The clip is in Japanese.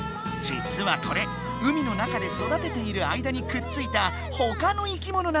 実はこれ海の中で育てている間にくっついたほかの生き物なんだ。